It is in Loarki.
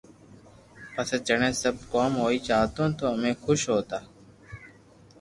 پسي جڻي سب ڪوم ھوئي جاتو تو امي خوݾ ھوتا